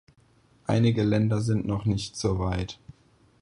Einige Länder sind noch nicht soweit.